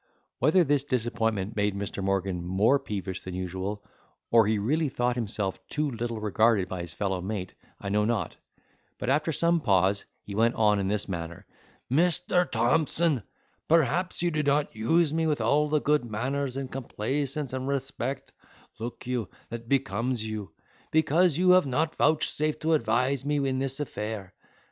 Whether this disappointment made Mr. Morgan more peevish than usual, or he really thought himself too little regarded by his fellow mate, I know not, but after some pause, he went on in this manner: "Mr. Thompson, perhaps you do not use me with all the good manners, and complaisance, and respect (look you,) that becomes you, because you have not vouchsafed to advise with me in this affair.